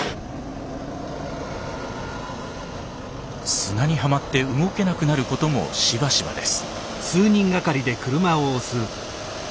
砂にはまって動けなくなることもしばしばです。